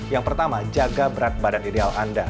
yang pertama jaga berat badan ideal anda